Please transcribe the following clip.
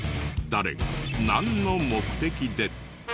誰がなんの目的で？